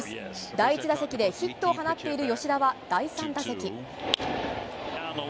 第１打席でヒットを放っている吉田は、第３打席。